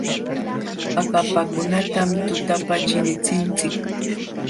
Akapakunatam tutapa chinichinchik.